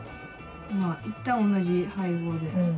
いったん同じ配合で。